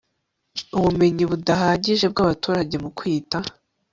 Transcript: Ubumenyi budahagije bw abaturage mu kwita